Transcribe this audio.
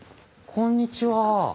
こんにちは。